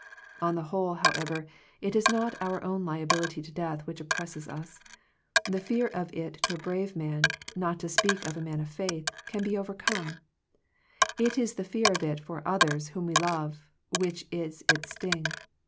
On the whole, however, it is not our own liability to death which oppresses us. The fear of it to a brave man, not to speak of a man of faith, can be over come. It is the fear of it for others whom we love, which is its sting.